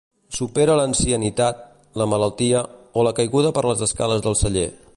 Supera l'ancianitat, la malaltia, o la caiguda per les escales del celler.